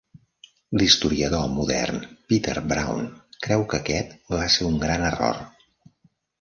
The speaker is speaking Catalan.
L'historiador modern Peter Brown creu que aquest va ser un gran error.